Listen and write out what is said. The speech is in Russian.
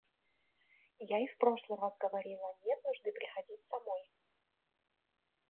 Я и в прошлый раз говорила: нет нужды приходить самой.